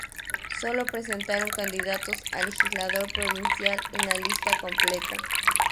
Sólo presentaron candidatos a Legislador Provincial en la lista completa.